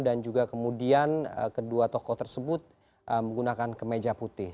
juga kemudian kedua tokoh tersebut menggunakan kemeja putih